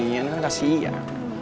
ini kan kasihan